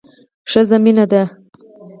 ښځه مينه ده